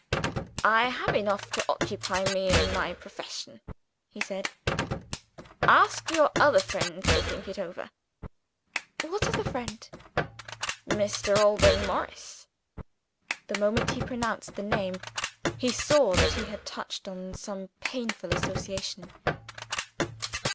"I have enough to occupy me in my profession," he said. "Ask your other friend to think it over." "What other friend?" "Mr. Alban Morris." The moment he pronounced the name, he saw that he had touched on some painful association.